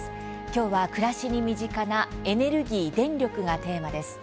きょうは暮らしに身近なエネルギー、電力がテーマです。